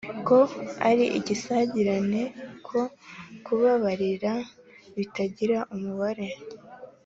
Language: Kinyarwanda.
ko ari igisagirane, ko kubabarira bitagira umubare.